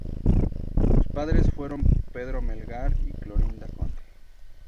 Sus padres fueron Pedro Melgar y Clorinda Conde.